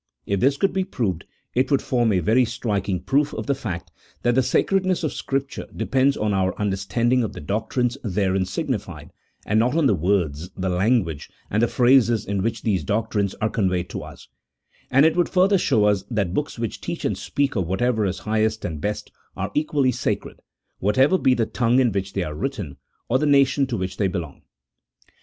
If this could be proved, it would form a very striking proof of the fact that the sacredness of Scripture depends on our understanding of the doctrines therein sig nified, and not on the words, the language, and the phrases in which these doctrines are conveyed to us ; and it would further show us that books which teach and speak of what ever is highest and best are equally sacred, whatever be the tongue in which they are written, or the nation to which they belong.